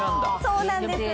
そうなんです。